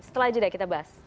setelah itu aja kita bahas